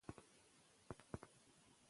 تېر کال موږ د پښتو ادب ډېرې مهمې غونډې لرلې.